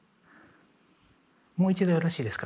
もう一度よろしいですか？